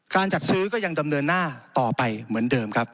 จัดซื้อก็ยังดำเนินหน้าต่อไปเหมือนเดิมครับ